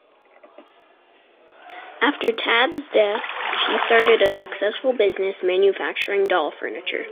After Tad's death, she started a successful business manufacturing doll furniture.